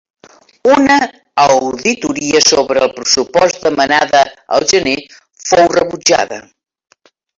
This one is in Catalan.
Una auditoria sobre el pressupost demanada el gener, fou rebutjada.